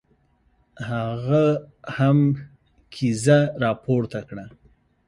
هغه هم کیزه را پورته کړه.